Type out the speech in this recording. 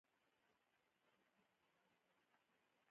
د هغه ماموریت مخفي وو.